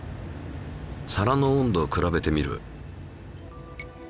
皿の温度を比べてみる。